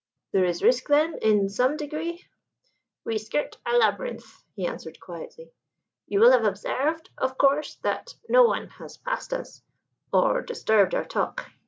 "There is risk, then, in some degree?" "We skirt a labyrinth," he answered quietly. "You will have observed, of course, that no one has passed us or disturbed our talk.